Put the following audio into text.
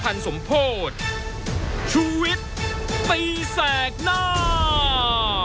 สวัสดีค่ะคุณผู้ชมชูเว็ตตีแสงหน้าค่ะ